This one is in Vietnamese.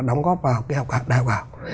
đóng góp vào cái học đại học ảo